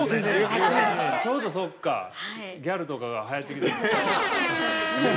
◆ちょうど、そっかギャルとかが、はやってきた時期。